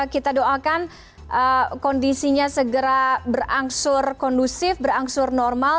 kita doakan kondisinya segera berangsur kondusif berangsur normal